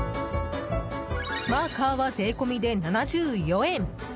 マーカーは税込みで７４円。